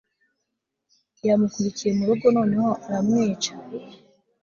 yamukurikiye mu rugo noneho aramwica